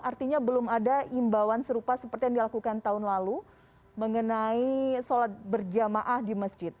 artinya belum ada imbauan serupa seperti yang dilakukan tahun lalu mengenai sholat berjamaah di masjid